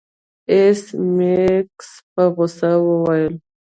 ایس میکس په غوسه وویل